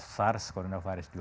virusnya adalah sars cov dua